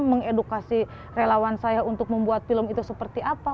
mengedukasi relawan saya untuk membuat film itu seperti apa